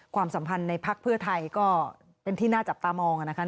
ความสัมพันธ์ในพักเพื่อไทยก็เป็นที่น่าจับตามองนะคะ